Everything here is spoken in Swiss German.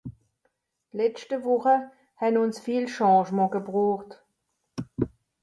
D’letschte Wùche hàn ùns viel Changement gebroocht.